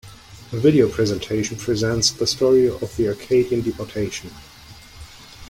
A video presentation presents the story of the Acadian deportation.